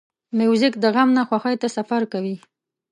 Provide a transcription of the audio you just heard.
موزیک د غم نه خوښۍ ته سفر کوي.